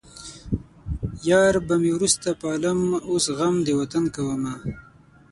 يار به مې وروسته پالم اوس غم د وطن کومه